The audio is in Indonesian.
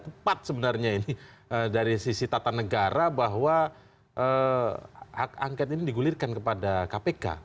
tepat sebenarnya ini dari sisi tata negara bahwa hak angket ini digulirkan kepada kpk